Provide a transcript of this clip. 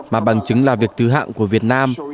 mà bằng chứng là việc thứ hạng của việt nam